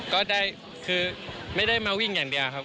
ก็ได้คือไม่ได้มาวิ่งอย่างเดียวครับ